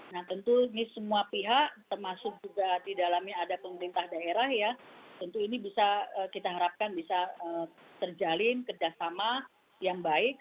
nah tentu ini semua pihak termasuk juga di dalamnya ada pemerintah daerah ya tentu ini bisa kita harapkan bisa terjalin kerjasama yang baik